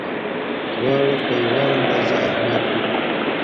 دواړه په یوه اندازه اهمیت لري.